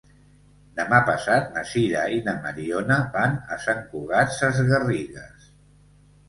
Demà passat na Sira i na Mariona van a Sant Cugat Sesgarrigues.